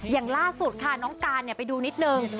อย่างล่าสุดค่ะน้องการไปดูนิดนึง